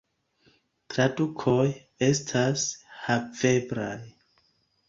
Tradukoj estas haveblaj.